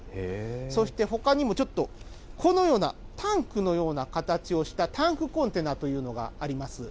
そしてほかにもちょっと、このようなタンクのような形をした、タンクコンテナというのがあります。